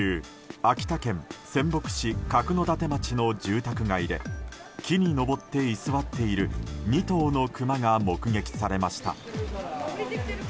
秋田県仙北市角館町の住宅街で木に登って居座っている２頭のクマが目撃されました。